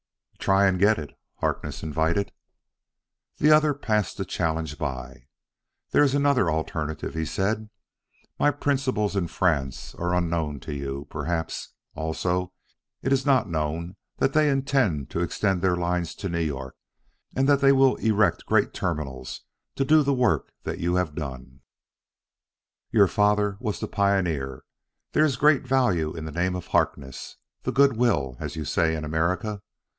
"Try and get it," Harkness invited. The other passed that challenge by. "There is another alternative," he said. "My principals in France are unknown to you; perhaps, also, it is not known that they intend to extend their lines to New York and that they will erect great terminals to do the work that you have done. "Your father was the pioneer; there is great value in the name of Harkness the 'good will' as you say in America.